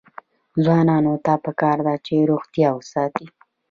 ځوانانو ته پکار ده چې، روغتیا وساتي.